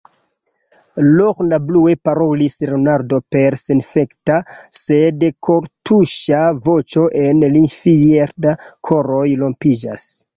Lorna, plue parolis Leonardo per senafekta, sed kortuŝa voĉo, en Linkfield koroj rompiĝas.